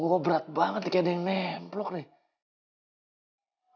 ngomong berat banget kayak ada yang nembrok nih